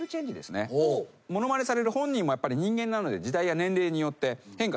ものまねされる本人もやっぱり人間なので時代や年齢によって変化していきます。